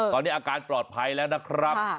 ตอนนี้อาการปลอดภัยแล้วนะครับ